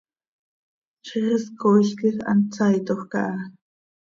Ziix is cooil quij hant saitoj caha.